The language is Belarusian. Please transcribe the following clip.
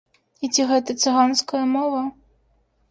І ці гэта цыганская мова?